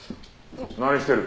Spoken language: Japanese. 何してる？